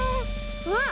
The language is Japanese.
あっ！